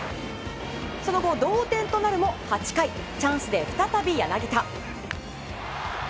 その後、同点となるも８回チャンスで再び柳田。